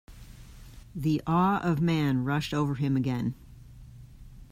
The awe of man rushed over him again.